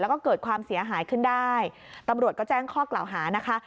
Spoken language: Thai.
แล้วก็เกิดความเสียหายขึ้นได้ตำรวจก็แจ้งข้อกล่าวหานะคะ